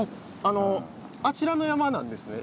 あちらの山なんですね。